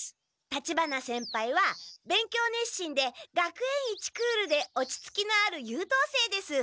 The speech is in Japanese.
立花先輩は勉強熱心で学園一クールで落ち着きのある優等生です。